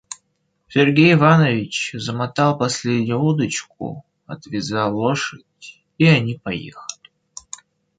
Сергей Иванович замотал последнюю удочку, отвязал лошадь, и они поехали.